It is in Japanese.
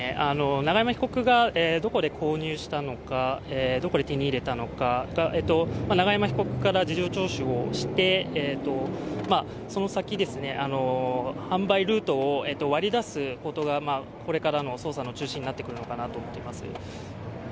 永山被告がどこで購入したのか、どこで手に入れたのか、永山被告から事情聴取をして、その先、販売ルートを割り出すことがこれからの捜査の中心になってくるのかなと思っています。